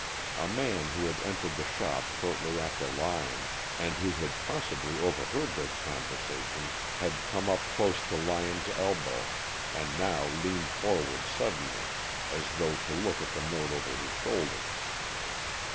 A man who had entered the shop shortly after Lyon and who had possibly overheard their conversation, had come up close to Lyon's elbow, and now leaned forward suddenly as though to look at the note over his shoulder.